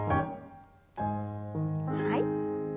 はい。